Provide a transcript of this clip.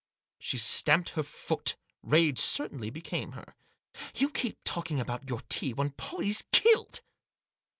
She stamped her foot ; rage certainly became her. "You keep talking about your tea, when Pollie's killed!"